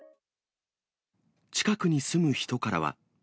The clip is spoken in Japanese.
近くに住む人からは。